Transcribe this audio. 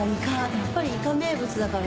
やっぱりイカ名物だから。